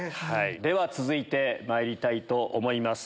では続いてまいりたいと思います。